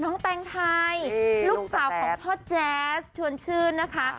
แตงไทยลูกสาวของพ่อแจ๊สชวนชื่นนะคะ